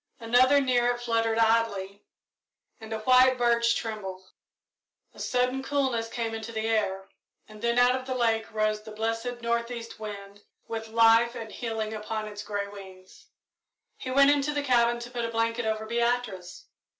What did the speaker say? Another near it fluttered idly, and a white birch trembled. A sudden coolness came into the air, then out of the lake rose the blessed north east wind, with life and healing upon its grey wings. He went into the cabin to put a blanket over Beatrice.